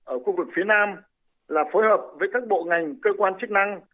ở khu vực phía nam là phối hợp với các bộ ngành cơ quan chức năng